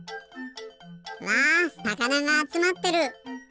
うわさかながあつまってる。